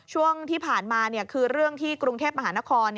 ช่วงที่ผ่านมาคือเรื่องที่กรุงเทพมหานคร